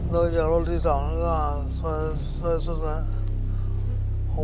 โดยจากรูปที่สองแล้วก็สวยสุดแล้ว